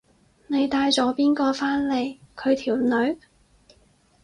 你帶咗邊個返嚟？佢條女？